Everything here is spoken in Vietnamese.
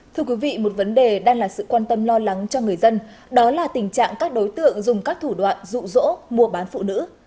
thưa quý vị một vấn đề đang là sự quan tâm lo lắng cho người dân đó là tình trạng các đối tượng dùng các thủ đoạn rụ rỗ mua bán phụ nữ